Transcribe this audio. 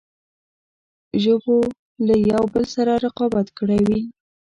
ژبو له یوه بل سره رقابت کړی وي.